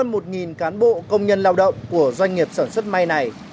hơn một cán bộ công nhân lao động của doanh nghiệp sản xuất may này